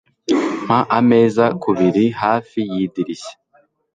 Mpa ameza kubiri hafi yidirishya.